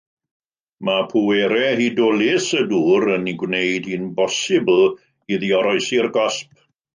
Mae pwerau hudolus y dŵr yn ei gwneud hi'n bosibl iddi oroesi'r gosb.